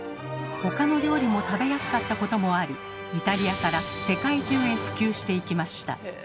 他の料理も食べやすかったこともありイタリアから世界中へ普及していきました。